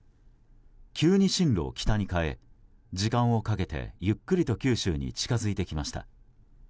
急に進路を北に変え時間をかけてゆっくりと九州に近づいてきました。